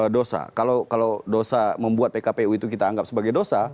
dosa kalau dosa membuat pkpu itu kita anggap sebagai dosa